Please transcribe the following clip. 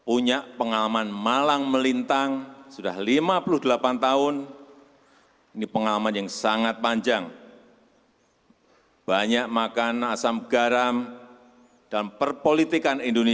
oleh sebab itu saya yakin